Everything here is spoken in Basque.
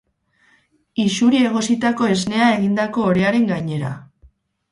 Isuri egositako esnea egindako orearen gainera.